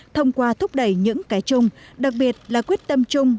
thông qua thúc đẩy những cái chung đặc biệt là quyết tâm chung